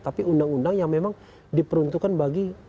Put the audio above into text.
tapi undang undang yang peruntukan bagi